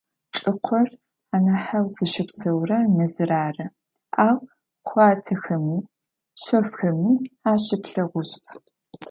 Чӏыкъор анахьэу зыщыпсэурэр мэзыр ары, ау хъуатэхэми, шъофхэми ащыплъэгъущт.